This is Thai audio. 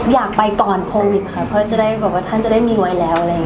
อยากไปก่อนโควิดค่ะเพราะว่าท่านจะได้มีไว้แล้ว